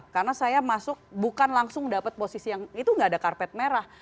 karena saya masuk bukan langsung dapat posisi yang itu gak ada karpet merah